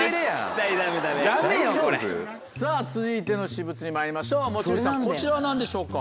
大丈夫？続いての私物にまいりましょう持ち主さんこちら何でしょうか？